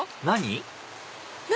何？